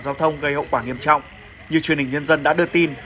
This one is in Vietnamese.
giao thông gây hậu quả nghiêm trọng như truyền hình nhân dân đã đưa tin